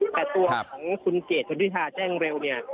แต่ตัวของคุณเกดคุณพิธาแจ้งเร็วเนี่ย